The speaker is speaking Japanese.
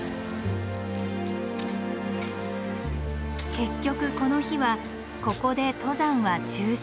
結局この日はここで登山は中止。